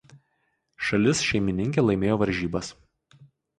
Šalis šeimininkė laimėjo varžybas.